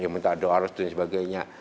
minta doa dan sebagainya